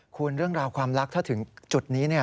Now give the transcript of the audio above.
คุณเรื่องราวความรักถ้าถึงจุดนี้